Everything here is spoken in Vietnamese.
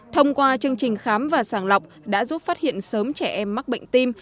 thông qua chương trình khám và sàng lọc đã giúp phát hiện sớm trẻ em mắc bệnh tim